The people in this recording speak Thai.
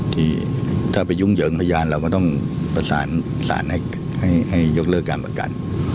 ที่ถ้าไปยุ่งเหยิงพยานเราก็ต้องประสานสารให้ยกเลิกการประกัน